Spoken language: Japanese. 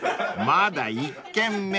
［まだ１軒目］